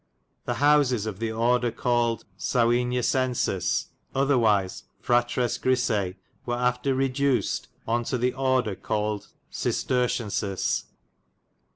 The howses of the order cawlyd Sauiniacensis, otharwyse Fratres Grisei, were aftar reducyd on to the ordre caullyd Cistertiensis.